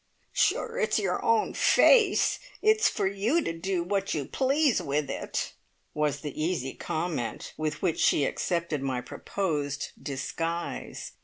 "Sure it's your own face! It's for you to do what you please with it!" was the easy comment with which she accepted my proposed disguise.